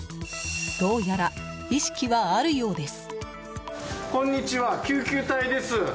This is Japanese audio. どうやら意識はあるようです。